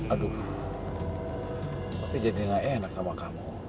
aduh papi jadi ga enak sama kamu